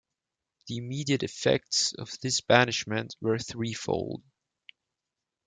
The immediate effects of this banishment were threefold.